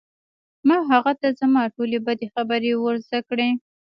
ما هغه ته زما ټولې بدې خبرې ور زده کړې